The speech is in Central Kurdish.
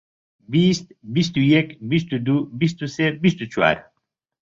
بیست، بیست و یەک، بیست و دوو، بیست و سێ، بیست و چوار.